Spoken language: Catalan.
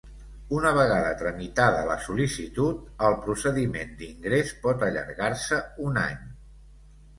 Una vegada tramitada la sol·licitud, el procediment d’ingrés pot allargar-se un any.